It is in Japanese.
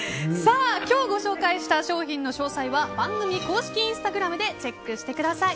今日ご紹介した商品の詳細は番組公式インスタグラムでチェックしてください。